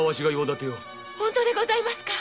本当でございますか？